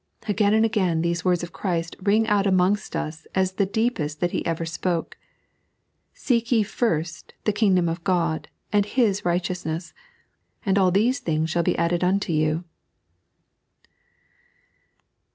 Again and again these words of Christ ring out as amongst tbe deepest that He ever spoke :" Seek ye first the Kingdom of God and His righteousnees, and all these things shall be added unto you."